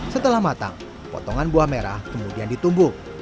setelah matang potongan buah merah kemudian ditumbuk